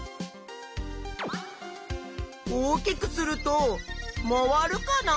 大きくすると回るかなあ？